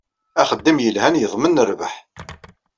Axeddim yelhan yeḍmen rrbeḥ.